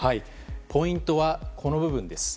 ポイントはこの部分です。